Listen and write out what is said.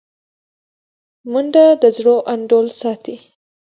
منډه د زړه انډول ساتي